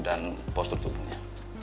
dan postur tubuhnya